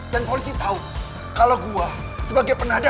dan polisi tahu kalau gue sebagai gengnya ya allah